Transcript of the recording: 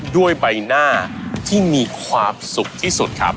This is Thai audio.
ด้วยใบหน้าที่มีความสุขที่สุดครับ